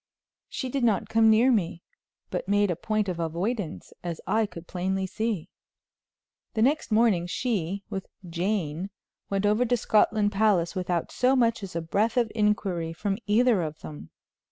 She did not come near me, but made a point of avoidance, as I could plainly see. The next morning she, with Jane, went over to Scotland Palace without so much as a breath of inquiry from either of them.